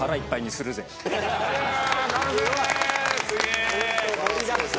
すげえ。